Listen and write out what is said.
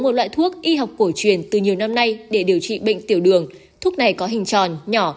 một loại thuốc y học cổ truyền từ nhiều năm nay để điều trị bệnh tiểu đường thuốc này có hình tròn nhỏ